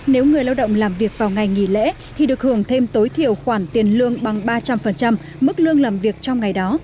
nếu người lao động làm việc vào ngày nghỉ lễ thì được hưởng thêm tối thiểu khoản tiền lương bằng ba trăm linh mức lương làm việc trong ngày đó